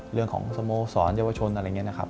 เรื่องของสโมสรเยาวชนอะไรอย่างนี้นะครับ